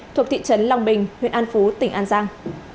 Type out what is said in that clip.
thuộc thị trấn long bình huyện an phú tỉnh an giang